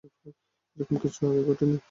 এরকম কিছু আগে কি ঘটেনি?